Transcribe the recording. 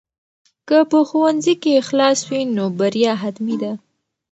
که په ښوونځي کې اخلاص وي نو بریا حتمي ده.